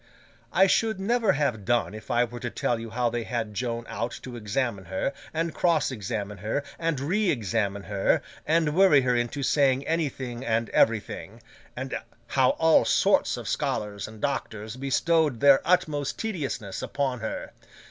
I should never have done if I were to tell you how they had Joan out to examine her, and cross examine her, and re examine her, and worry her into saying anything and everything; and how all sorts of scholars and doctors bestowed their utmost tediousness upon her.